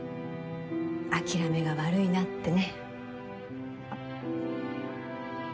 諦めが悪いなってね。